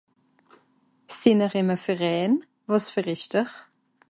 sìn'r ìm a Verein wàs verich'ter